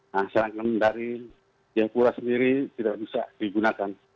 nah seragam dari jayapura sendiri tidak bisa digunakan